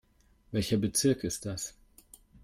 Welcher Bezirk ist das?